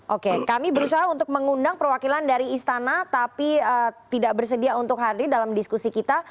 oke kami berusaha untuk mengundang perwakilan dari istana tapi tidak bersedia untuk hadir dalam diskusi kita